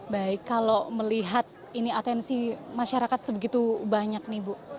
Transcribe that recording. baik kalau melihat ini atensi masyarakat sebegitu banyak nih bu